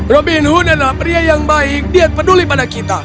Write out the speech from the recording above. robin hood adalah pria yang baik dia peduli pada kita